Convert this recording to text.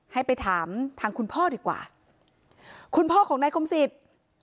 ให้ไปถามทางคุณพ่อดีกว่าคุณพ่อของนายคมสิทธิ์